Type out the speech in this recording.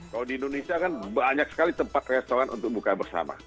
kalau di indonesia kan banyak sekali tempat restoran untuk buka bersama